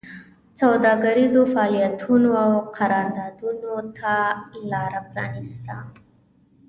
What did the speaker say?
سوداګریزو فعالیتونو او قراردادونو ته لار پرانېسته